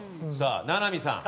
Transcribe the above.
名波さん